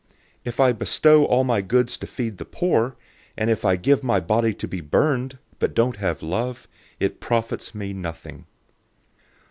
013:003 If I dole out all my goods to feed the poor, and if I give my body to be burned, but don't have love, it profits me nothing.